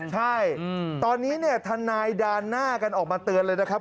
ใช่ตอนนี้เนี่ยทนายด่านหน้ากันออกมาเตือนเลยนะครับ